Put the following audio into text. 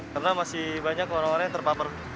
karena masih banyak orang orang yang terpapar